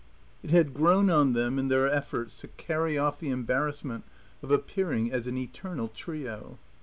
It had grown on them in their efforts to carry off the embarrassment of appearing as an eternal trio.